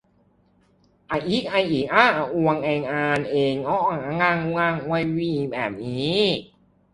จะพีคไปอีกถ้ากระทรวงแรงงานเองก็ยังจ้างลูกจ้างด้วยวิธีแบบนี้